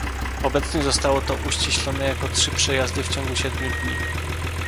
Obecnie zostało to uściślone jako trzy przejazdy w ciągu siedmiu dni